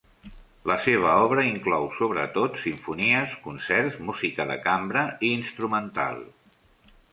La seva obra inclou, sobretot, simfonies, concerts, música de cambra i instrumental.